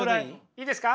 いいですか？